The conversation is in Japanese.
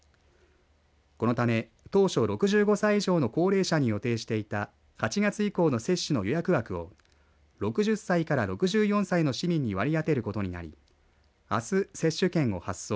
このため、当初６５歳以上の高齢者に予定していた８月以降の接種の予約枠を６０歳から６４歳の市民に割り当てることになりあす、接種券を発送